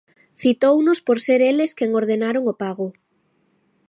Citounos por ser eles quen ordenaron o pago.